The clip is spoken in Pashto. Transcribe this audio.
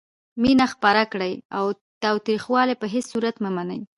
مینه خپره کړئ او تاوتریخوالی په هیڅ صورت مه منئ.